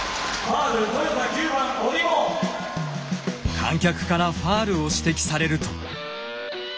観客からファールを指摘されると。